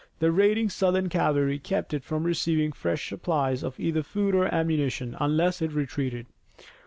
The raiding Southern cavalry kept it from receiving fresh supplies of either food or ammunition, unless it retreated.